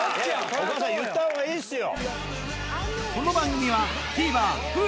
お母さん言った方がいいっすよ！